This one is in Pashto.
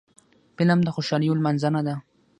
فلم د خوشحالیو لمانځنه ده